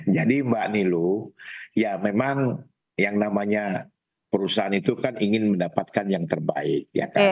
jadi mbak nilo ya memang yang namanya perusahaan itu kan ingin mendapatkan yang terbaik